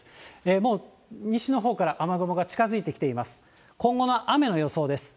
もう西のほうから雨雲が近づいてきています。